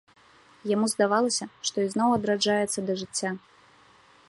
Яму здавалася, што ізноў адраджаецца да жыцця…